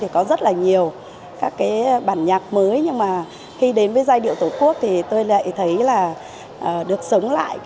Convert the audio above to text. các bản nhạc mới khi đến với giai điệu tổ quốc tôi lại thấy được sống lại